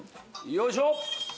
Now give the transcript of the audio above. よいしょ！